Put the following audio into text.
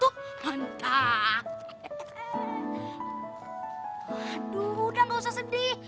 waduh udah gak usah sedih